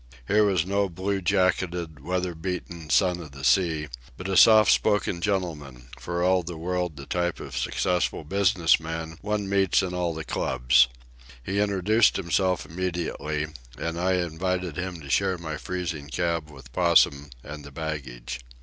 Here was no blue jacketed, weather beaten son of the sea, but a soft spoken gentleman, for all the world the type of successful business man one meets in all the clubs. He introduced himself immediately, and I invited him to share my freezing cab with Possum and the baggage.